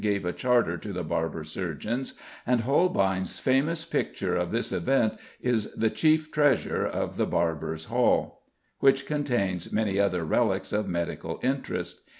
gave a charter to the Barber Surgeons, and Holbein's famous picture of this event is the chief treasure of the Barbers' Hall, which contains many other relics of medical interest.